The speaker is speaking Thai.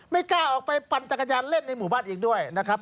ไม่กล้าออกไปปั่นจักรยานเล่นในหมู่บ้านอีกด้วยนะครับ